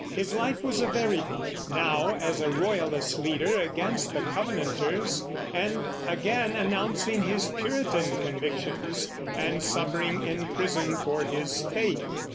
His life was a varied one; now as a Royalist leader against the Covenanters, and again announcing his Puritan convictions, and suffering in prison for his faith.